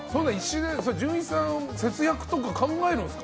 純一さん、節約とか考えるんですか？